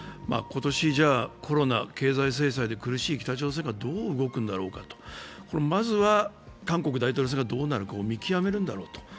今年、コロナ、経済制裁で苦しい北朝鮮がどう動くんだろうかと、まずは韓国大統領選がどうなるかを見極めるんだろうと。